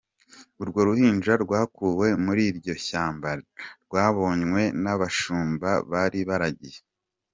Urwo ruhinja rwakuwe muri iryo shyamba rwabonywe n’abashumba bari baragiye.